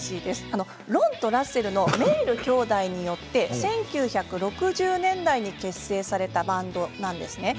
ロンとラッセルのメイル兄弟によって１９６０年代に結成されたバンドなんですね。